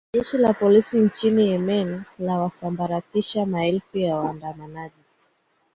na jeshi la polisi nchini yemen lawasambaratisha maelfu ya waandamanaji